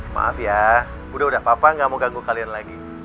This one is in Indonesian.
maaf ya udah udah papa gak mau ganggu kalian lagi